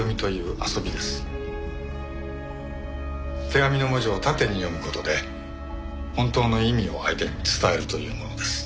手紙の文字を縦に読む事で本当の意味を相手に伝えるというものです。